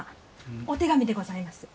お手紙でございます。